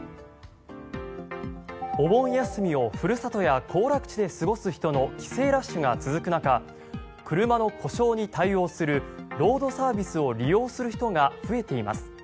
お盆休みをふるさとや行楽地で過ごす人の帰省ラッシュが続く中車の故障に対応するロードサービスを利用する人が増えています。